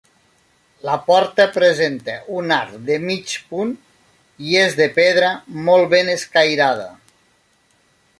La porta presenta un arc de mig punt i és de pedra molt ben escairada.